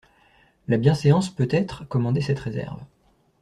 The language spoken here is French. La bienséance, peut-être, commandait cette réserve.